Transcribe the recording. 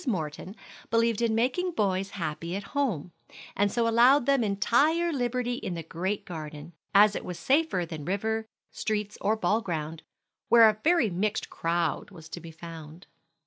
Morton believed in making boys happy at home, and so allowed them entire liberty in the great garden, as it was safer than river, streets, or ball ground, where a very mixed crowd was to be found.